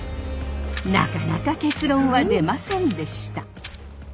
なかなか結論は出ませんでした。